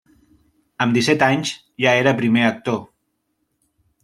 Amb disset anys ja era primer actor.